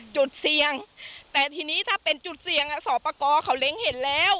จุดเสี่ยงแต่ทีนี้ถ้าเป็นจุดเสี่ยงสอบประกอบเขาเล้งเห็นแล้ว